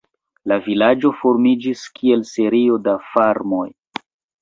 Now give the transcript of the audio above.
La vilaĝo formiĝis, kiel serio da farmoj.